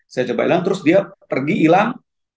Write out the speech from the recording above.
saya coba ilang terus dia pergi ilang